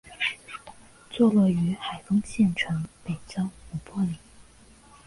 坐落于海丰县城北郊五坡岭。